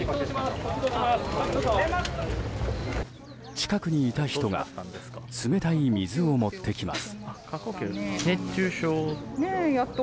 近くにいた人が冷たい水を持ってきます。